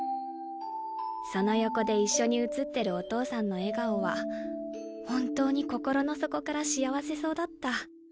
その横で一緒に写ってるお父さんの笑顔は本当に心の底から幸せそうだった。